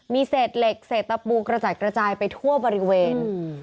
มีเศษเหล็กเศษตะปูกระจัดกระจายไปทั่วบริเวณ